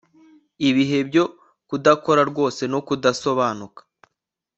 Ibihe byo kudakora rwose no kudasobanuka